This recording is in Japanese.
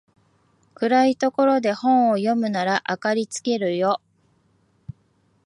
暗いところで本を読むなら明かりつけるよ